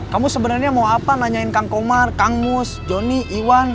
kamu sebenarnya mau apa nanyain kang komar kang mus johnny iwan